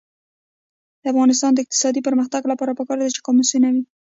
د افغانستان د اقتصادي پرمختګ لپاره پکار ده چې قاموسونه وي.